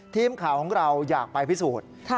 ทีมข่าวของเราอยากไปพิสูจน์